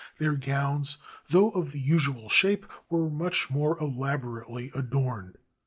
Their gowns, though of the usual shape, were much more elaborately adorned.